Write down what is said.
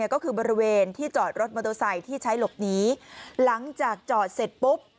ก็คือบริเวณที่จอดรถมอเตอร์ไซค์ที่ใช้หลบหนีหลังจากจอดเสร็จปุ๊บ